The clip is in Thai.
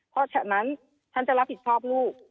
เพราะฉะนั้นฉันจะรับผิดชอบลูก